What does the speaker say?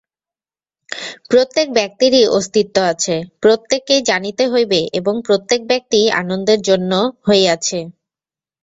প্রত্যেক ব্যক্তিরই অস্তিত্ব আছে, প্রত্যেককেই জানিতে হইবে এবং প্রত্যেক ব্যক্তিই আনন্দের জন্য হইয়াছে।